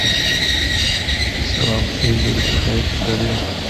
Kitimat is located south of Terrace.